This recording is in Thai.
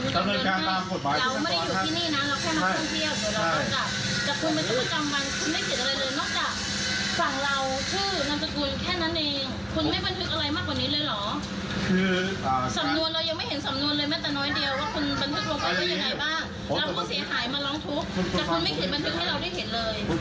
แล้วผู้เสียหายมันร้องทุกข์แต่คุณไม่เขียนบันทึกให้เราได้เห็นเลย